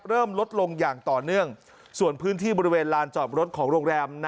เริ่มลดลงอย่างต่อเนื่องส่วนพื้นที่บริเวณลานจอดรถของโรงแรม